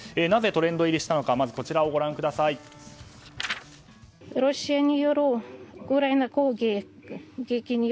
なぜトレンド入りしたのかまずこちらをご覧ください。